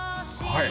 はい？